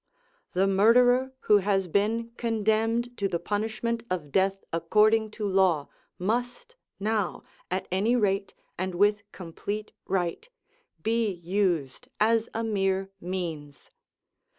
The murderer who has been condemned to the punishment of death according to law must now, at any rate, and with complete right, be used as a mere means.